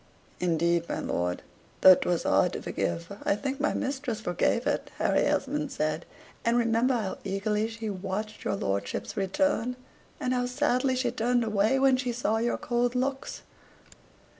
"Indeed, my lord, though 'twas hard to forgive, I think my mistress forgave it," Harry Esmond said; "and remember how eagerly she watched your lordship's return, and how sadly she turned away when she saw your cold looks."